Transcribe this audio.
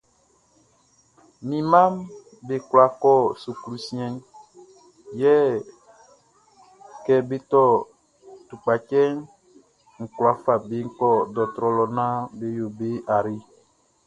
Mi mmaʼm be kwla kɔ suklu siɛnʼn, yɛ kɛ be tɔ tukpacɛʼn, n kwla fa be kɔ dɔɔtrɔ lɔ naan be yo be ayre.